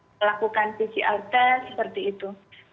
melakukan pcr test seperti itu